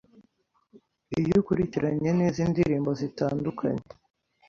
Iyo ukurikiranye neza indirimbo zitandukanye